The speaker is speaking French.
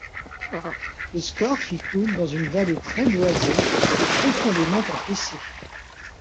Le Scorff y coule dans une vallée très boisée et profondément encaissée.